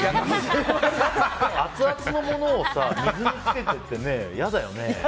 アツアツのものを水につけてって嫌だよね。